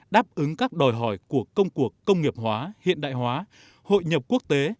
đáp ứng các đòi hỏi của công cuộc công nghiệp hóa hiện đại hóa hội nhập quốc tế